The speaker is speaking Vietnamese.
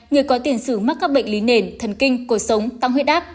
người có tiền xử mắc các bệnh lý nền thần kinh cột sống tăng huyết áp